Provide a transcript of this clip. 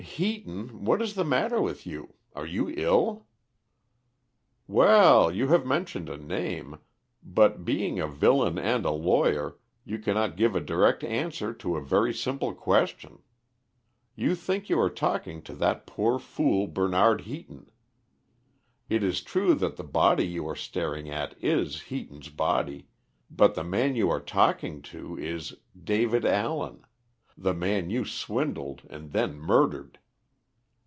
"Heaton, what is the matter with you? Are you ill?" "Well, you have mentioned a name, but, being a villain and a lawyer, you cannot give a direct answer to a very simple question. You think you are talking to that poor fool Bernard Heaton. It is true that the body you are staring at is Heaton's body, but the man you are talking to is David Allen the man you swindled and then murdered.